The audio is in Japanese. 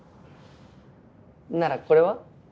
ならこれは？